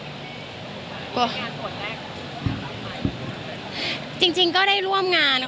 คุณก็ไม่รู้อาจจะถืออะไรอย่างนี้